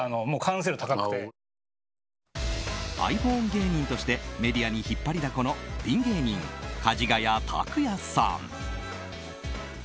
ｉＰｈｏｎｅ芸人としてメディアに引っ張りだこのピン芸人、かじがや卓哉さん。